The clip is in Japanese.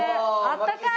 あったかい。